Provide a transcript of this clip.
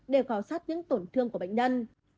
để khảo sát những tổn thương của bệnh nhân